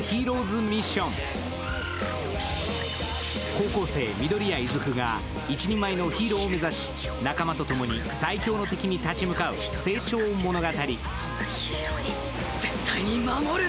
高校生・緑谷出久が一人前のヒーローを目指し仲間とともに最恐の敵に立ち向かう成長物語。